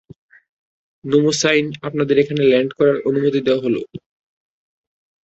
নেমোসাইন, আপনাদের এখানে ল্যান্ড করার অনুমতি দেওয়া হলো।